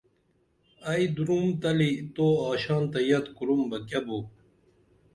ائی دُرُم تلی تو آشانتہ یت کُرُم بہ کیہ بو